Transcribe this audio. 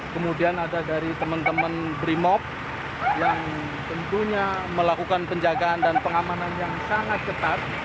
kemudian ada dari teman teman brimop yang tentunya melakukan penjagaan dan pengamanan yang sangat ketat